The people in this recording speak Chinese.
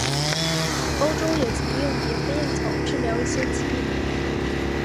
欧洲也曾用野飞燕草治疗一些疾病。